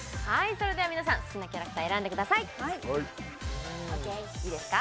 それでは皆さん好きなキャラクター選んでくださいＯＫいいですか？